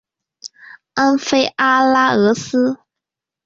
安菲阿拉俄斯。